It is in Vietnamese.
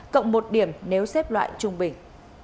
cộng một điểm nếu xếp loại trung bình